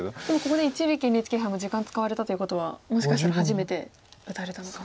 でもここで一力ＮＨＫ杯も時間使われたということはもしかしたら初めて打たれた。